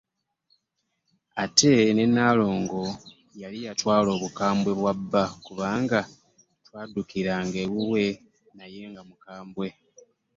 Ate ne Nnaalongo yali yatwala obukambwe bwa bba kubanga twaddukiranga ewuwe naye nga mukambwe.